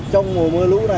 trong mùa mưa lũ này không